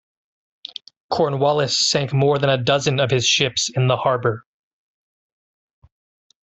Cornwallis sank more than a dozen of his ships in the harbor.